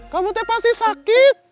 kamu tepasi sakit